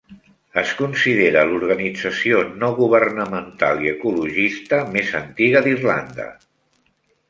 Es considera l'organització no governamental i ecologista més antiga d'Irlanda.